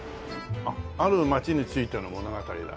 『ある街についての物語』だ。